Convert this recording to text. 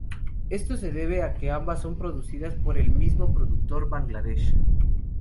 Esto se debe a que ambas son producidas por el mismo productor, Bangladesh.